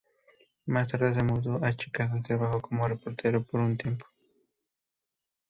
Más tarde, se mudó a Chicago y trabajó como reportero por un tiempo.